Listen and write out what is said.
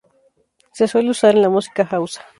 Se suele usar en la música hausa.